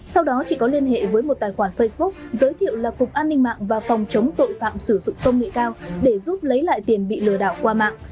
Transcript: sau đó chị có liên hệ với một tài khoản facebook giới thiệu là cục an ninh mạng và phòng chống tội phạm sử dụng công nghệ cao để giúp lấy lại tiền bị lừa đảo qua mạng